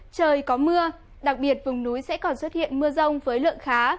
trời có mưa đặc biệt vùng núi sẽ còn xuất hiện mưa rông với lượng khá